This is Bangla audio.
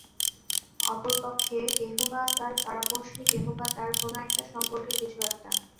অপর পক্ষে কেহ-বা তার পাড়াপড়শি, কেহ-বা তার কোনো-একটা সম্পর্কে কিছু-একটা।